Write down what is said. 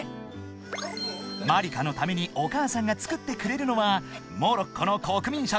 ［まりかのためにお母さんが作ってくれるのはモロッコの国民食］